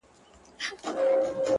ستا سندريز روح چي په موسکا وليد _ بل _